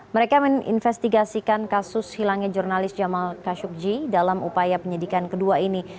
mereka menginvestigasikan kasus hilangnya jurnalis jamal khashoggi dalam upaya penyidikan kedua ini